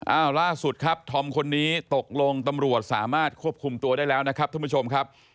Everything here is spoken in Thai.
ล่าสุดครับธอมคนนี้ตกลงตำรวจสามารถควบคุมตัวได้แล้วนะครับท่านผู้ชมครับ